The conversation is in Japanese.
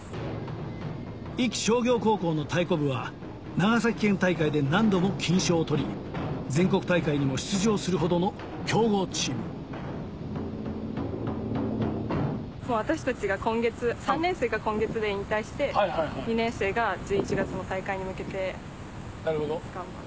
長崎県大会で何度も金賞を取り全国大会にも出場するほどの強豪チーム私たちが今月３年生が今月で引退して２年生が１１月の大会に向けて頑張る。